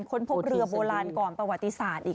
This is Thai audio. ค้นพบเรือโบราณก่อนประวัติศาสตร์อีก